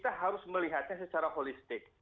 tapi saya mengatakan secara holistik